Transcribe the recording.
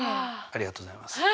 ありがとうございます。